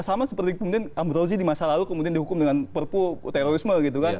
sama seperti kemudian ambrozi di masa lalu kemudian dihukum dengan perpu terorisme gitu kan